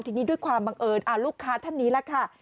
ทีนี้ด้วยความบังเอิญลูกค้าท่านนี้แหละค่ะ